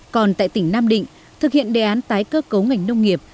còn tại tỉnh nam định thực hiện đề án tái cơ cấu ngành nông nghiệp